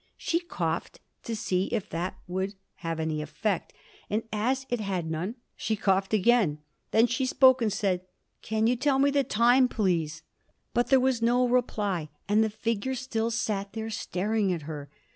She coughed to see if that would have any effect, and as it had none she coughed again. Then she spoke and said, "Can you tell me the time, please?" But there was no reply, and the figure still sat there staring at her.